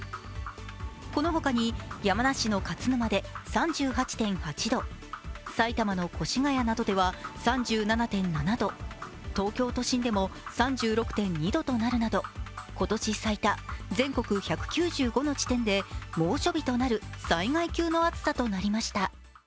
この他に、山梨の勝沼で３８．８度埼玉の越谷などでは３７．７度、東京都心でも３６．２度となるなど、今年最多、全国１９５の地点で猛暑日となる災害級の暑さとなりました。